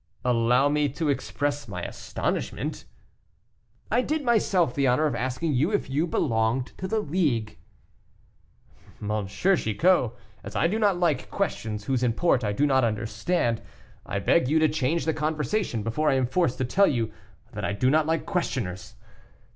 "Allow me to express my astonishment " "I did myself the honor of asking you if you belonged to the League." "M. Chicot, as I do not like questions whose import I do not understand, I beg you to change the conversation before I am forced to tell you that I do not like questioners.